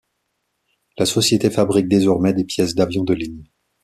La société fabrique désormais des pièces d'avion de ligne.